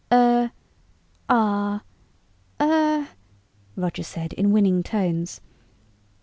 "Er ... ah ... er...." Roger said in winning tones.